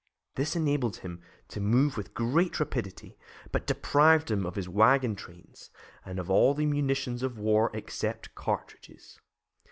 This enabled him to move with great rapidity, but deprived him of his wagon trains, and of all munitions of war except cartridges.